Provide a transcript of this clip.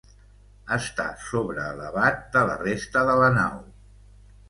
Està sobre elevat de la resta de la nau.